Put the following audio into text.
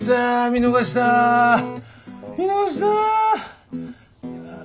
見逃した。